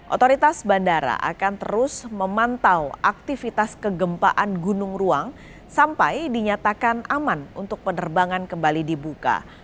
otoritas bandara akan terus memantau aktivitas kegempaan gunung ruang sampai dinyatakan aman untuk penerbangan kembali dibuka